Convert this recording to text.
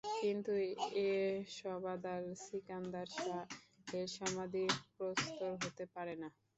কিন্তু এ শবাধার সিকান্দার শাহ-এর সমাধি প্রস্তর হতে পারে না।